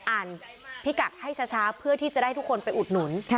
อ่านพิกัดให้ช้าเพื่อที่จะได้ทุกคนไปอุดหนุน